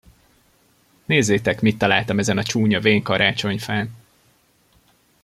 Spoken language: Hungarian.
Nézzétek, mit találtam ezen a csúnya, vén karácsonyfán!